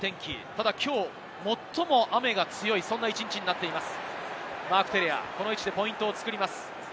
ただ、きょう最も雨が強い一日になっています。